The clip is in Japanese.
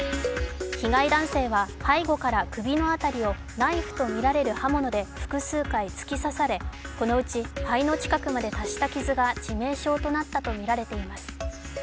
被害男性は背後から首の辺りをナイフとみられる刃物で複数回突き刺され、このうち肺の近くまで達した傷が致命傷となったとみられています。